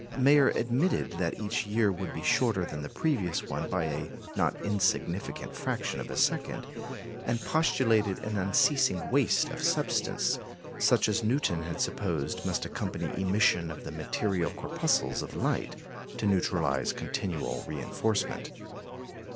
Mayer admitted that each year would be shorter than the previous one by a not insignificant fraction of a second, and postulated an unceasing waste of substance, such as Newton had supposed must accompany emission of the material corpuscles of light, to neutralise continual reinforcement.